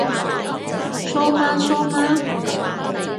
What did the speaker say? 蘇媽蘇媽？